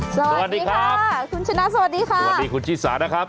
สวัสดีค่ะคุณชนะสวัสดีค่ะสวัสดีคุณชิสานะครับ